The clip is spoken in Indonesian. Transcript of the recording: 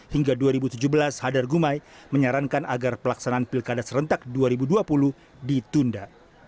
hingga dua ribu tujuh belas hadar gumai menyarankan agar pelaksanaan pilkada serentak dua ribu dua puluh ditunda